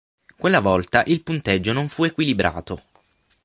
Quella volta, il punteggio non fu equilibrato.